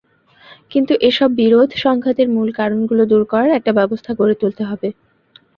কিন্তু এসব বিরোধ-সংঘাতের মূল কারণগুলো দূর করার একটা ব্যবস্থা গড়ে তুলতে হবে।